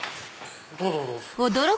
どうぞどうぞ。